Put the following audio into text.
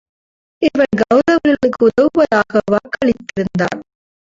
இவன் கவுரவர்களுக்கு உதவுவதாக வாக்கு அளித்து இருந்தான்.